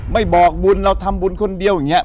บอกบุญเราทำบุญคนเดียวอย่างนี้